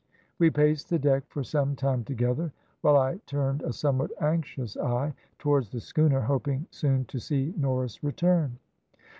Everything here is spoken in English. "We paced the deck for some time together, while I turned a somewhat anxious eye towards the schooner, hoping soon to see Norris return.